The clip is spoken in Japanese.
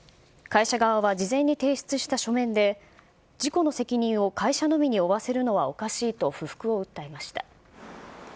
会社側は事前に提出した書面で、事故の責任を会社のみにおわせるのはおかしいと不服を訴えました。